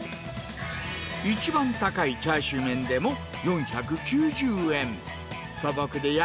一番高いチャーシューメンでも４９０円。